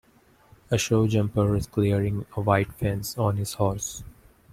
A show jumper is clearing a white fence on his horse.